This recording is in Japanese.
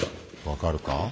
分かるか？